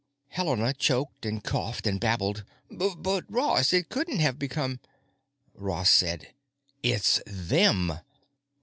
Helena choked and coughed and babbled, "But Ross, it couldn't have because——" Ross said: "It's them!"